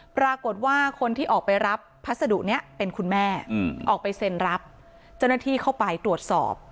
ปรากฏว่าคนที่ออกไปรับพัสดุนี้เป็นคุณแม่ออกไปเซ็นรับเจ้าหน้าที่เข้าไปตรวจสอบ